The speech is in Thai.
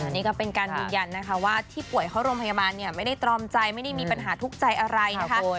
นี่ก็เป็นการยืนยันนะคะว่าที่ป่วยเข้าโรงพยาบาลเนี่ยไม่ได้ตรอมใจไม่ได้มีปัญหาทุกข์ใจอะไรนะคะ